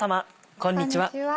こんにちは。